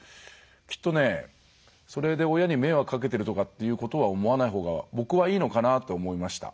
きっと、それで親に迷惑かけてるってことは思わないほうが僕はいいのかなって思いました。